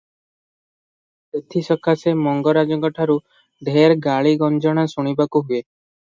ସେଥିସକାଶେ ମଙ୍ଗରାଜଙ୍କଠାରୁ ଢେର୍ ଗାଳି ଗଞ୍ଜଣା ଶୁଣିବାକୁ ହୁଏ ।